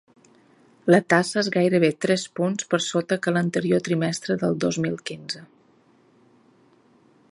La tassa és gairebé tres punts per sota que l’anterior trimestre del dos mil quinze.